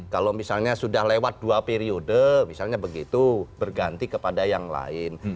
kalau misalnya sudah lewat dua periode misalnya begitu berganti kepada yang lain